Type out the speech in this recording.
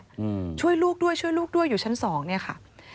อืมช่วยลูกด้วยช่วยลูกด้วยอยู่ชั้นสองเนี้ยค่ะ